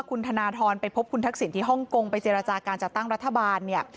คุณธนทรไปพบคุณทักษิณที่ฮ่องกงไปเจรจาการจัดตั้งรัฐบาลเนี่ย